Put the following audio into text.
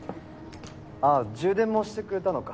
あっ充電もしてくれたのか。